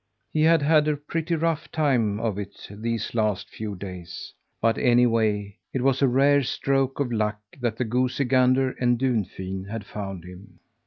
He had had a pretty rough time of it these last few days. But, anyway, it was a rare stroke of luck that the goosey gander and Dunfin had found him.